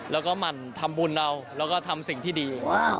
แล้วก็หมั่นทำบุญเราแล้วก็ทำสิ่งที่ดี